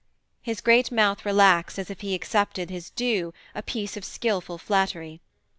His great mouth relaxed as if he accepted as his due a piece of skilful flattery.